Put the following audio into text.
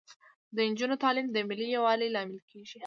د نجونو تعلیم د ملي یووالي لامل کیږي.